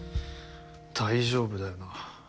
大丈夫だよな。